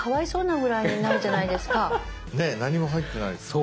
ねえ何も入ってないですね。